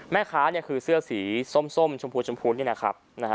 แม่ค้าคือเสื้อสีส้มชมพูชมพูนี่นะครับ